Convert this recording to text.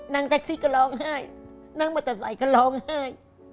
แท็กซี่ก็ร้องไห้นั่งมอเตอร์ไซค์ก็ร้องไห้